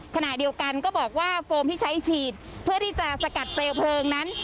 ขณะเดียวกันก็บอกว่าโฟมที่ใช้ฉีดเพื่อที่จะสกัดเปลวเพลิงนั้น